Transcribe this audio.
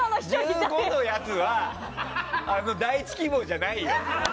１５のやつは第１希望じゃないよ。